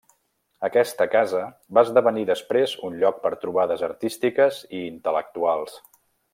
Aquesta casa va esdevenir després un lloc per trobades artístiques i intel·lectuals.